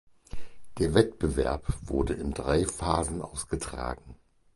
Der Wettbewerb wurde in drei Phasen ausgetragen.